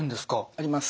あります。